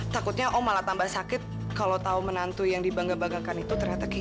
takutnya oh malah tambah sakit kalau tahu menantu yang dibangga banggakan itu ternyata